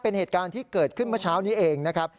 เป็นเหตุการณ์ที่เกิดขึ้นเมื่อเช้านี้เองนะครับ